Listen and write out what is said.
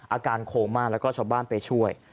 อาการโคม่าแล้วก็ชาวบ้านไปช่วย